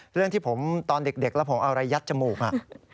เรื่องที่ผมตอนเด็กแล้วผมเอาอะไรยัดจมูกอ่ะ